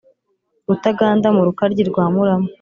Rutaganda mu Rukaryi rwa Murama